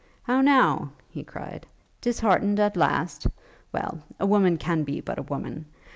'How now!' he cried, 'disheartened at last? Well! a woman can be but a woman!